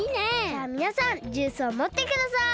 じゃあみなさんジュースをもってください。